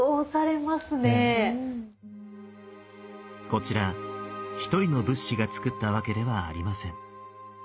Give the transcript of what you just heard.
こちら１人の仏師が造ったわけではありません。